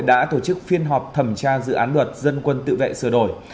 đã tổ chức phiên họp thẩm tra dự án luật dân quân tự vệ sửa đổi